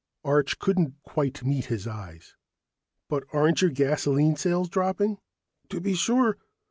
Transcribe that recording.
Arch couldn't quite meet his eyes. "But aren't your gasoline sales dropping?" "To be sure.